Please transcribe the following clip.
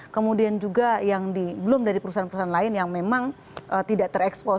kemudian juga yang belum dari perusahaan perusahaan lain yang memang tidak terekspos